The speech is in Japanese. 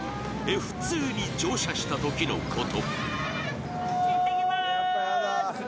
Ｆ２に乗車したときのこと。